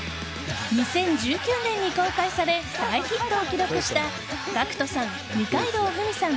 ２０１９年に公開され大ヒットを記録したＧＡＣＫＴさん、二階堂ふみさん